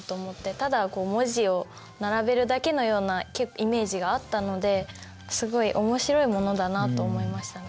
ただこう文字を並べるだけのようなイメージがあったのですごい面白いものだなと思いましたね。